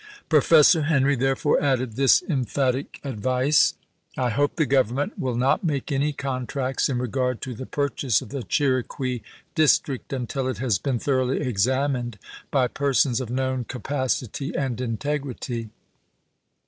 Professor Henry therefore added this emphatic advice :" I hope the Grovernment will not make any contracts in regard to the purchase of the Chiriqui District until it has been thoroughly examined by persons of known capacity and integrity.